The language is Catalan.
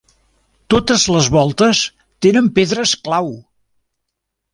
Totes les voltes tenen pedres clau.